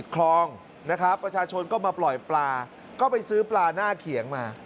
ก็ปล่อยปลาก็ไปซื้อปลาหน้าเขียงมา